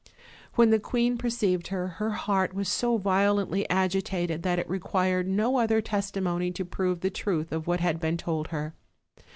When the queen perceived her, her heart was so vio lently agitated that it required no other testimony to prove the truth of what had been told her.